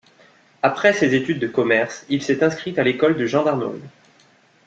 Après ses études de commerce, il s'est inscrit à l'école de gendarmerie.